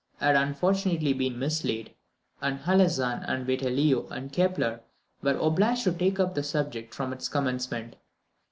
had unfortunately been mislaid, and Alhazen and Vitellio and Kepler were obliged to take up the subject from its commencement.